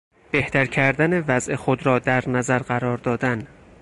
بهتر کردن وضع خود را در نظر قرار دادن